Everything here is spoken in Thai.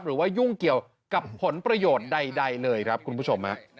หรือว่ายุ่งเกี่ยวกับผลประโยชน์ใดเลยครับคุณผู้ชมครับ